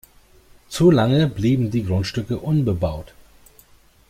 Zu lange blieben die Grundstücke unbebaut.